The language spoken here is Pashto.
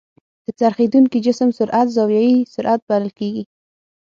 د څرخېدونکي جسم سرعت زاويي سرعت بلل کېږي.